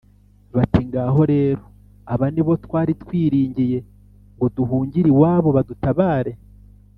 bati «Ngaho rero, aba ni bo twari twiringiye ngo duhungire iwabo badutabare,